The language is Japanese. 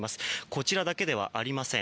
こちらだけではありません。